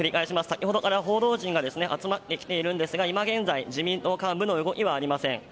先ほどから報道陣が集まってきているんですが今現在自民党幹部の動きはありません。